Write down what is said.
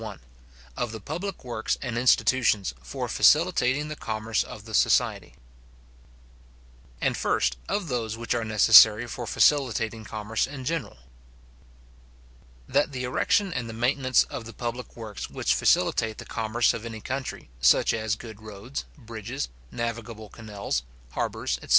—Of the public Works and Institutions for facilitating the Commerce of the Society. And, first, of those which are necessary for facilitating Commerce in general. That the erection and maintenance of the public works which facilitate the commerce of any country, such as good roads, bridges, navigable canals, harbours, etc.